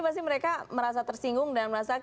pasti mereka merasa tersinggung dan merasa